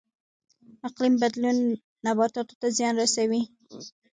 اقلیم بدلون نباتاتو ته زیان رسوي